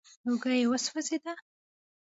اوږه يې وسوځېده.